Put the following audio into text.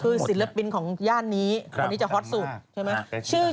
คือศิลปินของย่านนี้คนนี้จะฮอตสุดใช่ไหม